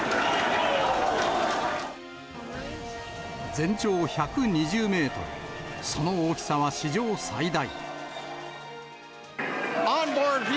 全長１２０メートル、その大きさは史上最大。